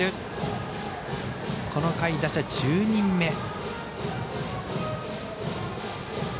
この回、打者１０人目。